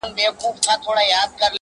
اوښان ډوب سول د ځانو په اندېښنو کي!.